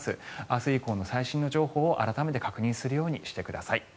明日以降の最新の情報を、改めて確認するようにしてください。